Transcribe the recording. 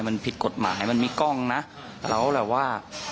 มันผิดกฎหมายมันมีกล้องนะเราแบบว่า